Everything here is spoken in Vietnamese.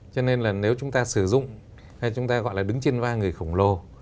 cho nên là nếu chúng ta sử dụng hay chúng ta gọi là đứng trên vai người khổng lồ